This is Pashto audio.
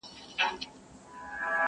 سره خپل به د عمرونو دښمنان سي!.